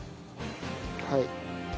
はい。